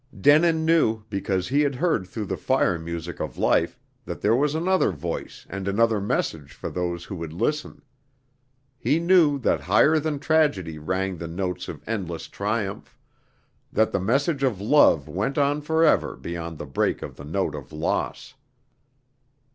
Denin knew because he had heard through the fire music of life, that there was another voice and another message for those who would listen. He knew that higher than tragedy rang the notes of endless triumph; that the message of love went on forever beyond the break of the note of loss.